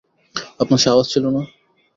আপনার সাহস ছিল না?